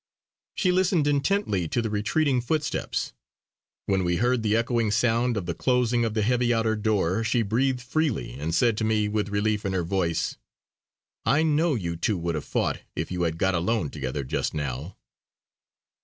She listened intently to the retreating footsteps; when we heard the echoing sound of the closing the heavy outer door, she breathed freely and said to me with relief in her voice: "I know you two would have fought if you had got alone together just now!"